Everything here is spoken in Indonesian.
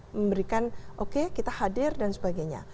memberikan oke kita hadir dan sebagainya